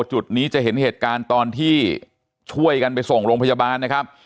จุดนี้จะเห็นเหตุการณ์ตอนที่ช่วยกันไปส่งโรงพยาบาลนะครับ